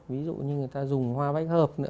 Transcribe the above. ví dụ như người ta dùng hoa vách hợp nữa